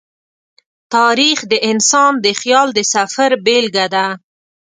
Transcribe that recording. تاریخ د انسان د خیال د سفر بېلګه ده.